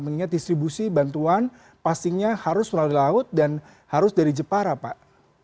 mengingat distribusi bantuan pastinya harus melalui laut dan harus dari jepara pak